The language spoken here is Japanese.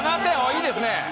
いいですね。